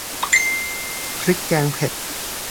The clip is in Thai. พริกแกงเผ็ด